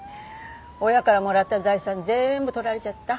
親からもらった財産全部取られちゃった。